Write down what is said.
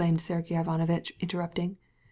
Sergey Ivanovitch interrupted him.